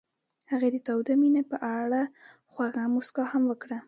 هغې د تاوده مینه په اړه خوږه موسکا هم وکړه.